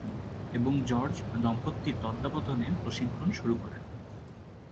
এবং জর্জ দম্পতির তত্ত্বাবধানে প্রশিক্ষণ শুরু করেন।